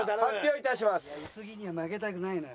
いや薄着には負けたくないのよ。